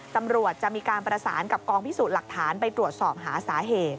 ตำรวจจะมีการประสานกับกองพิสูจน์หลักฐานไปตรวจสอบหาสาเหตุ